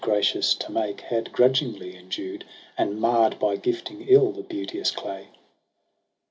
Gracious to make, had grudgingly endued And marr'd by gifting ill the beauteous clay.